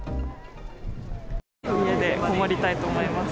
家でこもりたいと思います。